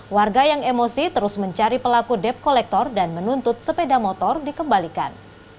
warga yang emosi terus mencari pelaku dep kolektor dan menuntut sepeda motor dikembalikan